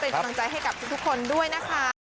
เป็นกำลังใจให้กับทุกคนด้วยนะคะ